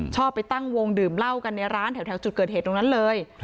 ชอบไปตั้งวงดื่มเหล้ากันในร้านแถวจุดเกิดเหตุตรงนั้นเลย